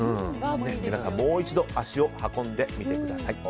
皆さん、もう一度足を運んでみてください。